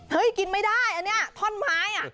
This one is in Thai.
เห้ยกินไม่ได้อันนี้อะท่อนไม้